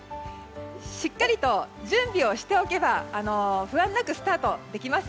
しっかりと準備をしておけば不安なくスタートできます